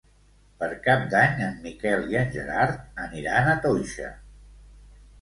Per Cap d'Any en Miquel i en Gerard aniran a Toixa.